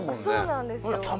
そうなんですよ